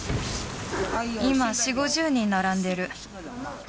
今、４、５０人並んでる。